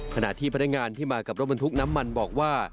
ขณะที่พนักงานที่มากับรถบรรทุกน้ำมันบอกว่า